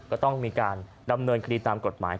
ก็ต้องมีการดำเนินคดีตามกฎหมาย